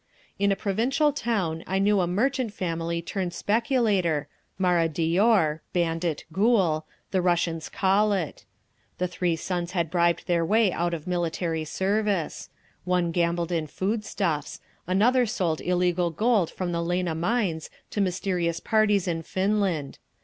In a provincial town I knew a merchant family turned speculator—maradior (bandit, ghoul) the Russians call it. The three sons had bribed their way out of military service. One gambled in foodstuffs. Another sold illegal gold from the Lena mines to mysterious parties in Finland.